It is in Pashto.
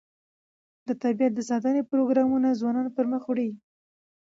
د طبیعت د ساتنې پروګرامونه ځوانان پرمخ وړي.